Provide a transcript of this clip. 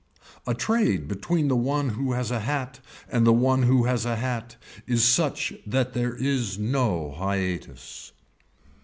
A trade between the one who has a hat and one who has a hat is such that there is no hiatus.